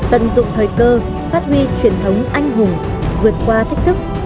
tận dụng thời cơ phát huy truyền thống anh hùng vượt qua thách thức